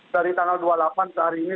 dari tanggal dua puluh delapan sehari ini